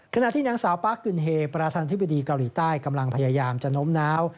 ขณะที่นางสาวปาร์คกึนเฮประธานธิบดีเกาหลีใต้กำลังพยายามจะโน้มน้าว